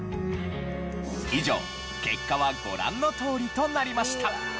以上結果はご覧のとおりとなりました。